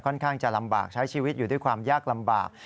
ข้างจะลำบากใช้ชีวิตอยู่ด้วยความยากลำบาก